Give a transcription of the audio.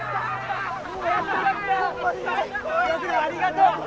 岩倉、ありがとう。